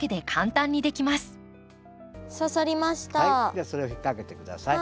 じゃあそれを引っ掛けて下さい。